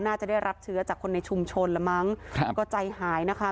น่าจะได้รับเชื้อจากคนในชุมชนละมั้งครับก็ใจหายนะคะ